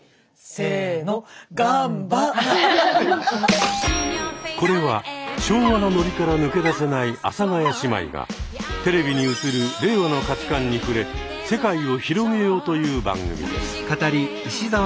せのこれは昭和のノリから抜け出せない阿佐ヶ谷姉妹がテレビに映る令和の価値観に触れ世界を広げようという番組です。